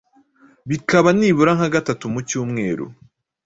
bikaba nibura nka gatatu mu cyumweru